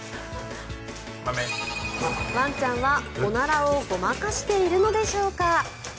ワンちゃんは、おならをごまかしているのでしょうか。